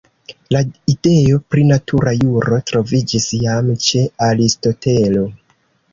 La ideo pri natura juro troviĝis jam ĉe Aristotelo.